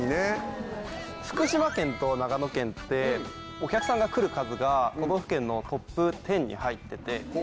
福島県と長野県ってお客さんが来る数が都道府県のトップ１０に入ってて。